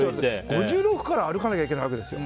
５６から歩かなきゃいけないわけですよ。